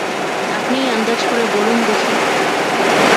আপনিই আন্দাজ করে বলুন দেখি।